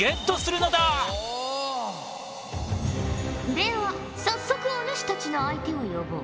では早速お主たちの相手を呼ぼう。